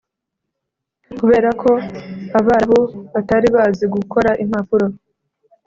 kubera ko abarabu batari bazi gukora impapuro,